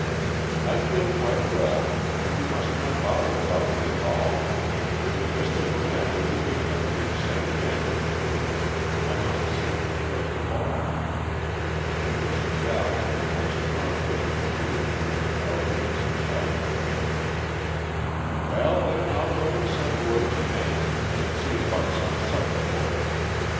"I feel quite well, and you must not bother about me at all. If Mr. Burnett will be good enough to send Manley to me I must see him first of all." It was Val in her most unapproachable mood, and Arline subsided before it. "Well, then, I'll go and send word to Man, and see about some supper for us.